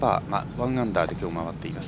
１アンダーできょう回っています。